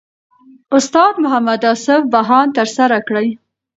استاد محمد اصف بهاند ترسره کړی.